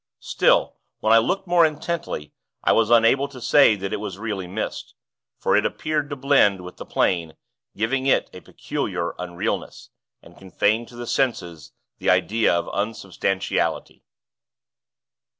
Still, when I looked more intently, I was unable to say that it was really mist; for it appeared to blend with the plain, giving it a peculiar unrealness, and conveying to the senses the idea of unsubstantiality.